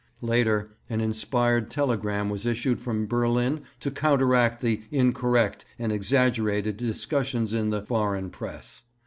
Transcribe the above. Later, an inspired telegram was issued from Berlin to counteract the 'incorrect and exaggerated' discussions in the foreign press.